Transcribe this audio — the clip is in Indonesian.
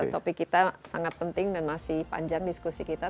topik kita sangat penting dan masih panjang diskusi kita